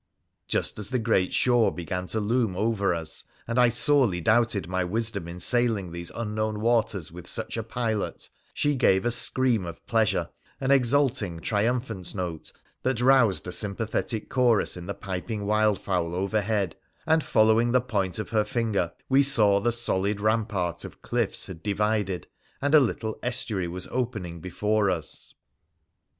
Just as the great shore began to loom over us, and I sorely doubted my wisdom in sailing these unknown waters with such a pilot, she gave a scream of pleasure — an exulting, tri umphant note that roused a sympathetic chorus in the piping wildfowl overhead — and, following the point of her finger, we saw the solid rampart of cliffs had divided, and a little estuary was opening before us.